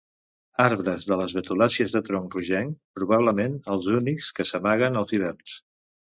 Arbres de les betulàcies de tronc rogenc, probablement els únics que s'amaguen als hiverns.